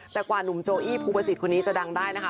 แต่กว่าหนุ่มโจอี้ภูประสิทธิ์คนนี้จะดังได้นะคะ